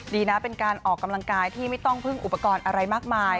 ดีนะเป็นการออกกำลังกายที่ไม่ต้องพึ่งอุปกรณ์อะไรมากมาย